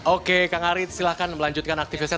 oke kang arif silahkan melanjutkan aktivitasnya